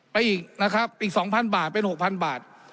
อีกนะครับอีก๒๐๐บาทเป็น๖๐๐บาท